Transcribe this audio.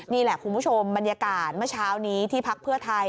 นี่แหละคุณผู้ชมบรรยากาศเมื่อเช้านี้ที่พักเพื่อไทย